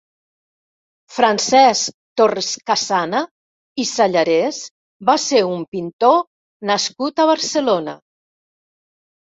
Francesc Torrescassana i Sallarés va ser un pintor nascut a Barcelona.